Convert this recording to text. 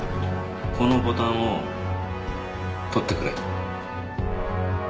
このボタンを取ってくれ。